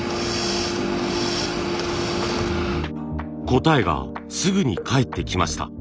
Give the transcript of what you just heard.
答えがすぐに返ってきました。